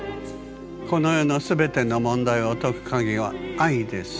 この世のすべての問題を解く鍵は愛です。